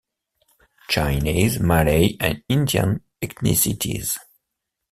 Chinese, Malay and Indian ethnicities.